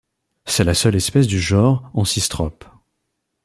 C'est la seule espèce du genre Ancistrops.